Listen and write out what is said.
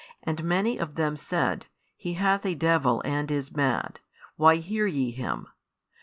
And many of them said, He hath a devil and is mad: why hear ye Him?